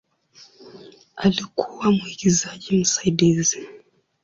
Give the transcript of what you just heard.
Alikuwa mwigizaji msaidizi.